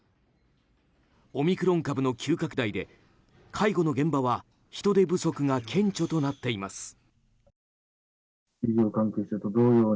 オミクロン株の急拡大で介護の現場は人手不足が顕著となっています。